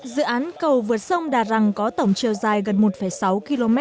dự án cầu vượt sông đà răng có tổng chiều dài gần một sáu km